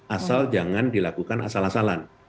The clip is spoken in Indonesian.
asal jangan dilakukan asal asalan